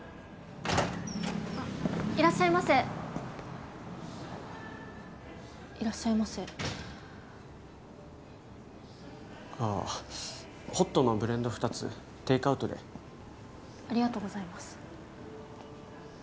あっいらっしゃいませいらっしゃいませああホットのブレンド二つテイクアウトでありがとうございます